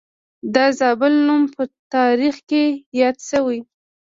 د زابل نوم په تاریخ کې یاد شوی